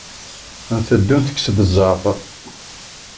Nteddu ntekkes-d zzeɛter.